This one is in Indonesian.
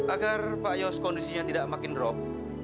agar pak yos kondisinya tidak makin drop